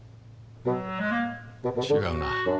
違うな。